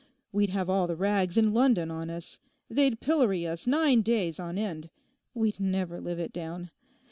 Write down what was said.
We'd have all the rags in London on us. They'd pillory us nine days on end. We'd never live it down.